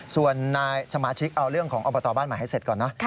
ส่วนนายสมาชิกเอาเรื่องของอบตบ้านใหม่ให้เสร็จก่อนนะ